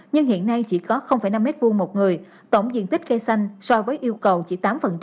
nhưng hiện nay chỉ có năm m hai một người tổng diện tích cây xanh so với yêu cầu chỉ tám